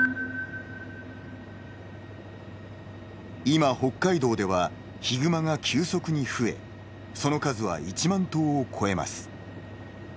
今、北海道ではヒグマが急速に増えその数は１万頭を超えます。